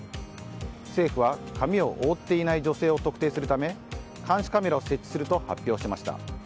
政府は髪を覆っていない女性を特定するため監視カメラを設置すると発表しました。